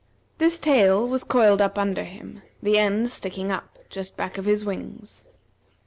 This tail was coiled up under him, the end sticking up just back of his wings.